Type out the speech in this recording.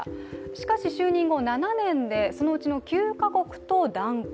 しかし就任後７年で、そのうちの９か国と断交。